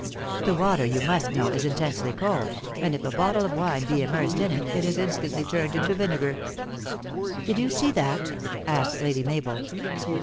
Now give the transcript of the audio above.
The water, you must know, is intensely cold, and if a bottle of wine be immersed in it, it is instantly turned into vinegar." " Did you see that?" asked Lady Mabel.